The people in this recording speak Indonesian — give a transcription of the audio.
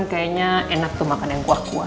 kayaknya enak tuh makan yang kuah kuah